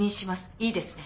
いいですね？